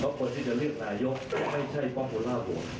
เพราะคนที่จะเลือกนายกไม่ใช่ปอปพูลาร์โหวต